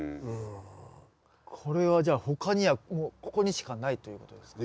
これはじゃあ他にはここにしかないということですか？